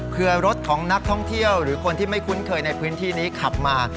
เพื่อรถของนักท่องเที่ยวหรือคนที่ไม่คุ้นเคยในพื้นที่นี้ขับมา